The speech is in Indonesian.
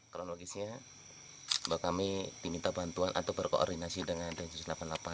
kronologisnya kami diminta bantuan atau berkoordinasi dengan densus delapan puluh delapan